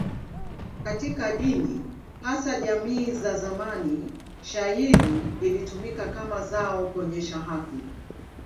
Katika dini, hasa jamii za zamani, shayiri ilitumika kama zao kuonyesha haki.